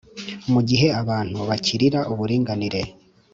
mugihe abantu bacyirira uburinganire